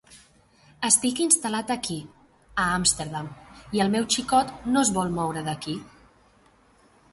Estic instal·lat aquí, a Amsterdam, i el meu xicot no es vol moure d'aquí.